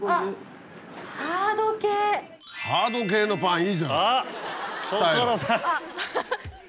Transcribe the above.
ハード系のパンいいじゃんきたよ。